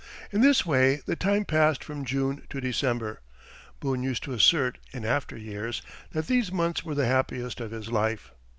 In this way the time passed from June to December. Boone used to assert, in after years, that these months were the happiest of his life.